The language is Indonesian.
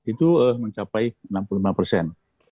itu mencapai enam puluh lima persen